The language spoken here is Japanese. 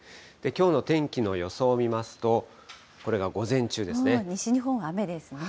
きょうの天気の予想を見ますと、西日本は雨ですね。